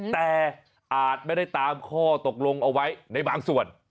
แต่อาจไม่ได้ตามข้อตกลงเอาไว้ในบางส่วน